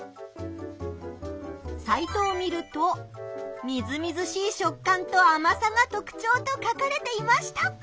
サイトを見ると「みずみずしい食感と甘さが特徴」と書かれていました。